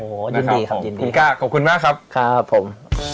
โหยินดีครับยินดีครับคุณก้าขอบคุณมากครับครับผม